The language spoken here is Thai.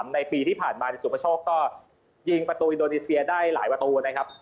ในปีที่ผ่านมาสุประโชคก็ยิงประตูอินโดนีเซียได้หลายประตูนะครับ